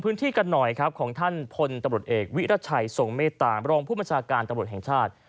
พื้นที่กันหน่อยของท่านพลตำรวจเอกวิรัชัยส่งเมตตาโรงผู้มันศาลการณ์ตำรวจแห่งชาติ